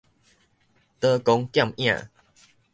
刀光劍影